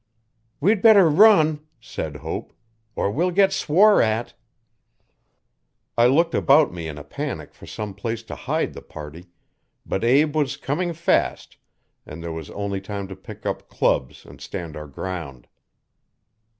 'We'd better run,' said Hope, ''er we'll git swore at.' I looked about me in a panic for some place to hide the party, but Abe was coming fast and there was only time to pick up clubs and stand our ground.